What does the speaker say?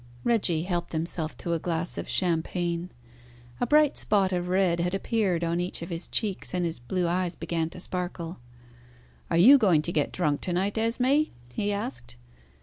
Reggie helped himself to a glass of champagne. A bright spot of red had appeared on each of his cheeks, and his blue eyes began to sparkle. "Are you going to get drunk to night, Esmé?" he asked.